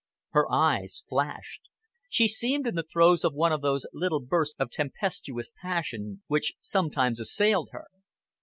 Her eyes flashed. She seemed in the throes of one of those little bursts of tempestuous passion which sometimes assailed her.